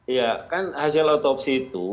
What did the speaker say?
ya kan hasil otopsi itu